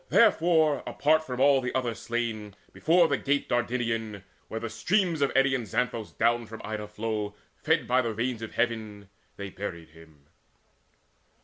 Therefore apart from all the other slain, Before the Gate Dardanian where the streams Of eddying Xanthus down from Ida flow Fed by the rains of heavens they buried him.